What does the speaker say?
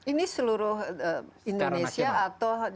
ini seluruh indonesia atau